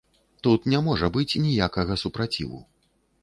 Тут не можа быць ніякага супраціву.